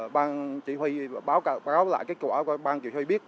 bang chỉ huy báo lại cái kết quả của bang chỉ huy biết